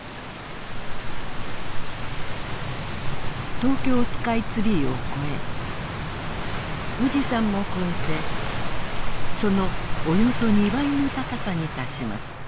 東京スカイツリーを越え富士山も越えてそのおよそ２倍の高さに達します。